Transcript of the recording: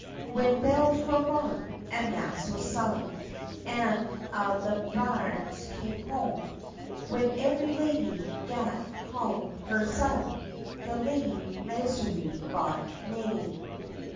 When bells were rung, and mass was sung, And a' the bairns came hame, When every lady gat hame her son, The Lady Maisry gat nane.